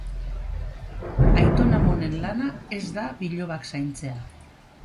Aiton-amonen lana ez da bilobak zaintzea.